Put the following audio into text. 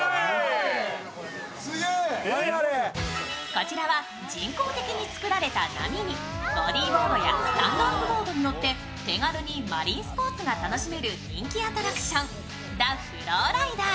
こちらは人工的に作られた波にボディーボードやスタンドアップボードに乗って、手軽にマリンスポーツが楽しめる人気アトラクション、ダフローライダー。